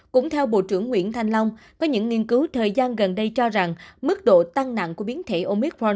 cũng theo bộ trưởng nguyễn thanh long có những nghiên cứu thời gian gần đây cho rằng mức độ tăng nặng của biến thể omicron